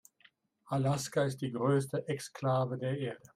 Alaska ist die größte Exklave der Erde.